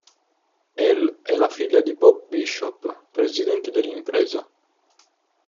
Elle è la figlia di Bob Bishop, presidente dell'Impresa.